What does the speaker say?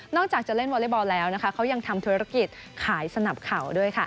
นอกจากจะเล่นวอเทบาลแล้วเขายังทำธุรกิจขายสนับข่าวด้วย